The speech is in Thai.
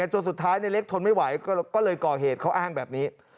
จนสุดท้ายในเล็กทนไม่ไหวก็เลยก่อเหตุเขาอ้างแบบนี้